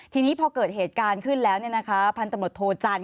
ทีนี้พอเกิดเหตุการณ์ขึ้นแล้วพันตำรวจโทจันท